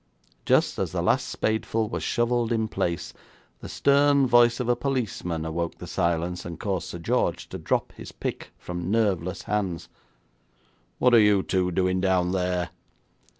Just as the last spadeful was shovelled in place the stern voice of a policeman awoke the silence, and caused Sir George to drop his pick from nerveless hands. 'What are you two doing down there?'